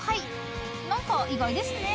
［何か意外ですね］